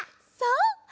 そう！